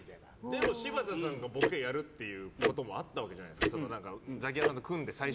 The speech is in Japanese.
でも柴田さんがボケやるってこともあったじゃないですか。